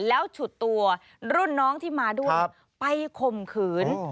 แล้วฉุดตัวรุ่นน้องที่มาด้วยไปข่มขืน